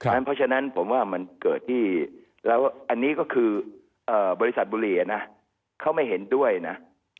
เพราะฉะนั้นผมว่ามันเกิดที่แล้วอันนี้ก็คือบริษัทบุรีนะเขาไม่เห็นด้วยนะ